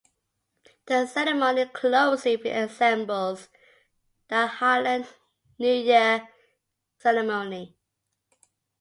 The ceremony closely resembles the Highland New Year ceremony.